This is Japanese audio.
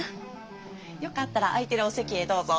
よかったら空いてるお席へどうぞ。